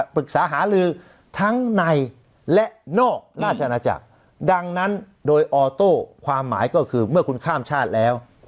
ปรึกษาหาลือทั้งในและนอกราชนาจักรดังนั้นโดยออโต้ความหมายก็คือเมื่อคุณข้ามชาติแล้ว